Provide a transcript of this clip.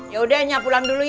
ya udah nyah pulang dulu ya